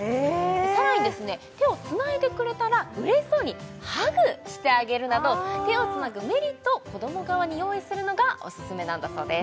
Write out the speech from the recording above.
さらに手をつないでくれたらうれしそうにハグしてあげるなど手をつなぐメリットを子ども側に用意するのがオススメなんだそうです